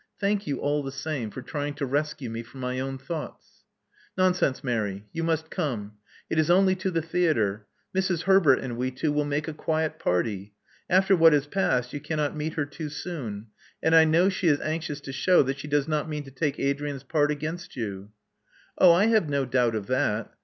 Thank you, all the same, for trying to rescue me from my own thoughts." Nonsense, Mary. You must come. It is only to the theatre. Mrs. Herbert and we two will make a quiet party. After what has passed you cannot meet her too soon ; and I know she is anxious to shew that she does not mean to take Adrian's part against you." Oh, I have no doubt of that.